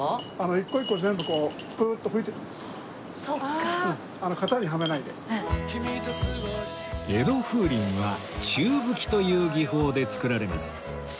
一個一個全部こう江戸風鈴は宙吹きという技法で作られます